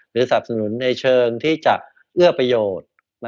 สนับสนุนในเชิงที่จะเอื้อประโยชน์